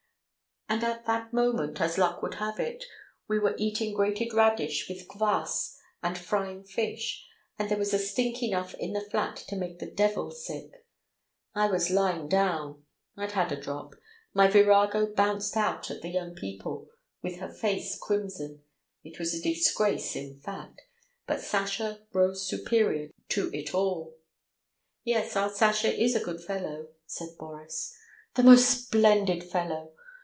"And at that moment, as luck would have it, we were eating grated radish with kvass and frying fish, and there was a stink enough in the flat to make the devil sick. I was lying down I'd had a drop my virago bounced out at the young people with her face crimson. ... It was a disgrace in fact. But Sasha rose superior to it all." "Yes, our Sasha is a good fellow," said Boris. "The most splendid fellow!